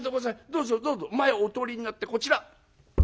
どうぞどうぞ前をお通りになってこちら」。